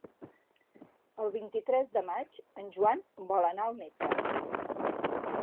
El vint-i-tres de maig en Joan vol anar al metge.